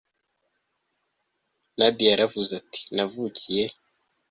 nadiya yaravuze ati navukiye